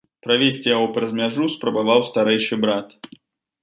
Правесці яго праз мяжу спрабаваў старэйшы брат.